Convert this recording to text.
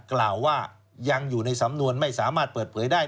กล่าวว่ายังอยู่ในสำนวนไม่สามารถเปิดเผยได้